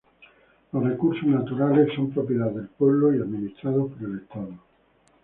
Los recursos naturales son propiedad del pueblo y administrados por el Estado.